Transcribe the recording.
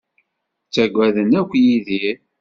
Ttaggaden akk Yidir.